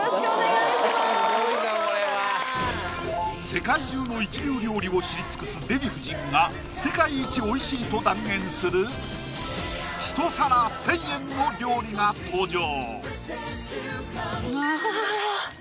世界中の一流料理を知り尽くすデヴィ夫人が世界一美味しいと断言するひと皿１０００円の料理が登場！